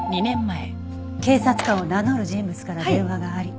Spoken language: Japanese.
警察官を名乗る人物から電話があり。